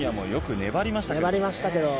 粘りましたけど。